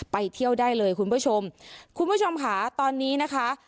ไปเที่ยวได้เลยคุณผู้ชมคุณผู้ชมค่ะตอนนี้นะคะ